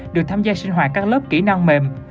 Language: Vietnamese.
được tham gia sinh hoạt các lớp kỹ năng mềm